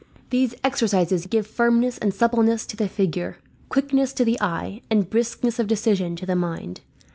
These exercises give firmness and suppleness to the figure, quickness to the eye, and briskness of decision to the mind.